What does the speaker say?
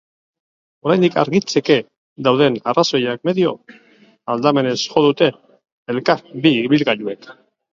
Oraindik argitzeke dauden arrazoiak medio, aldamenez jo dute elkar bi ibilgailuek.